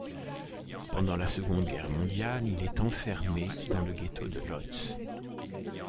Pendant la Seconde Guerre mondiale, il est enfermé dans le ghetto de Łódź.